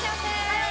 はい！